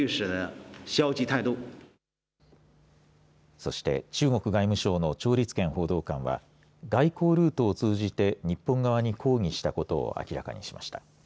そして中国外務省の趙立堅報道官は外交ルートを通じて日本側に抗議したことを明らかにしました。